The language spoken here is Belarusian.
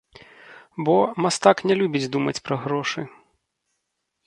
Бо, мастак не любіць думаць пра грошы.